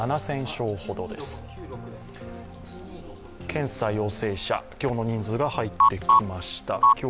検査陽性者、今日の人数が入ってきました。